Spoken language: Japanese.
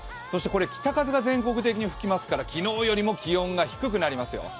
北風が全国的に吹きますから、昨日よりも気温は低くなりますよ。